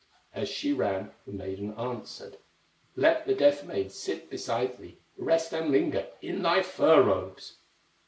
As she ran, the maiden answered: "Let the Death maid sit beside thee, Rest and linger in thy fur robes!"